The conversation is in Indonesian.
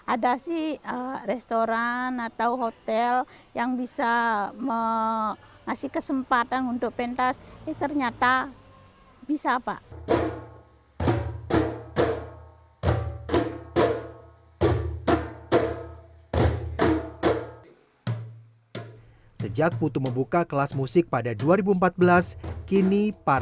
ada sih restoran atau hotel yang bisa mengasih kesempatan untuk pentas